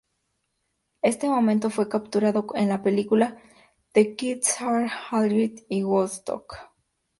Este momento fue capturado en la película "The Kids Are Alright" y "Woodstock".